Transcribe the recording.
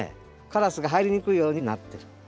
カラスが入りにくいようになってる。